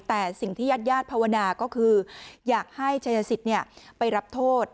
แต่สิ่งที่ญาติภาวนาก็คืออยากให้เชยสิทธิ์เนี่ยไปรับโทษ